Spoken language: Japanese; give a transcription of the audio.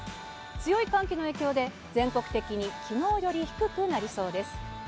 強い寒気の影響で、全国的にきのうより低くなりそうです。